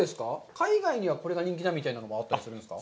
海外にはこれが人気だみたいなのもあったりするんですか。